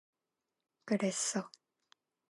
그랬어.